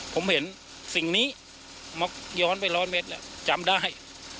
ผมเห็นสิ่งนี้ย้อนไปร้อยเมตรแล้วจำได้